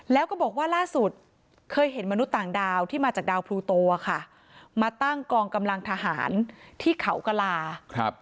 แล้วก็บอกว่าล่าสุดเคยเห็นมนุษย์ต่างดาวที่มาจากดาวพลูโตค่ะมาตั้งกองกำลังทหารที่เขากลาครับ